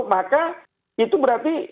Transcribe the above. maka itu berarti